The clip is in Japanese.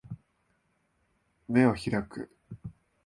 眼を開く